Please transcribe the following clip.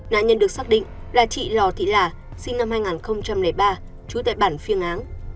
nạn nhân được xác định là chị lò thị là sinh năm hai nghìn ba trú tại bản phiêng áng